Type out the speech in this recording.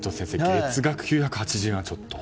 月額９８０円はちょっと。